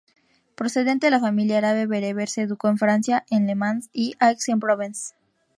Procedente de familia árabe-bereber, se educó en Francia en Le Mans y Aix-en-Provence.